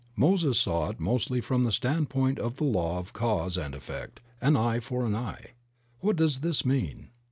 Moses saw it mostly from the standpoint of the Law of cause and effect, an eye for an eye. What does this mean?